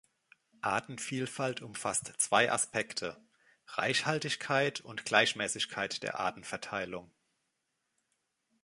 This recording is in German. Artenvielfalt umfasst zwei Aspekte: Reichhaltigkeit und Gleichmäßigkeit der Artenverteilung.